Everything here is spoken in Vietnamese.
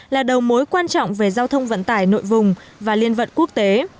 là đầu mối quan trọng về giao thông vận tải nội vùng và liên vận quốc tế